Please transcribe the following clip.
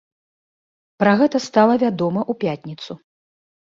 Пра гэта стала вядома ў пятніцу.